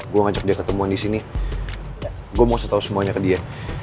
gue ngajak dia ketemuan disini gue mau setau semuanya ke dia